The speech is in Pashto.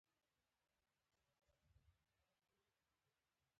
د یو بل اخلاقو او کړو وړو ته دواړه متوجه وي.